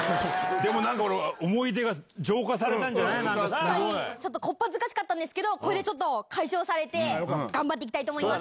でもなんか思い出が浄化されちょっとこっぱずかしかったですけど、これでちょっと解消されて、頑張っていきたいと思います。